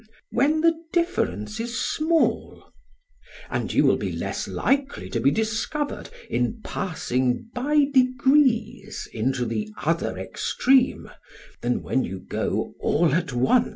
PHAEDRUS: When the difference is small. SOCRATES: And you will be less likely to be discovered in passing by degrees into the other extreme than when you go all at once?